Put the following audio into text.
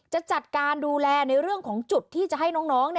จะจัดการดูแลในเรื่องของจุดที่จะให้น้อง